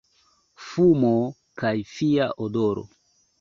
Fumo kaj fia odoro.